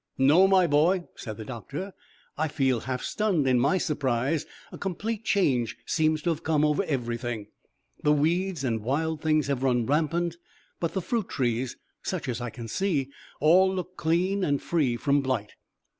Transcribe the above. "No, my boy," said the doctor; "I feel half stunned in my surprise. A complete change seems to have come over everything. The weeds and wild things have run rampant, but the fruit trees, such as I can see, all look clean and free from blight."